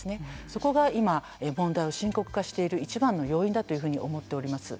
そこが今、問題を深刻化しているいちばんの要因だというふうに思っております。